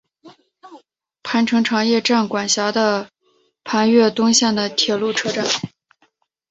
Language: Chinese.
磐城常叶站管辖的磐越东线上的铁路车站。